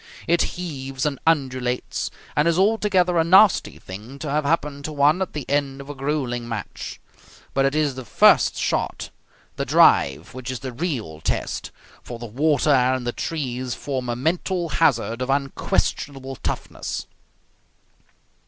It heaves and undulates, and is altogether a nasty thing to have happen to one at the end of a gruelling match. But it is the first shot, the drive, which is the real test, for the water and the trees form a mental hazard of unquestionable toughness.